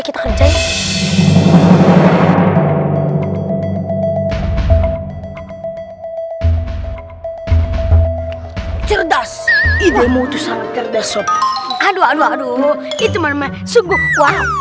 kita kerjain cerdas ide mutus terbesar aduh aduh aduh itu memang sungguh